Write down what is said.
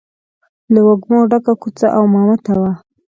له وږمو ډکه کوڅه او مامته وه.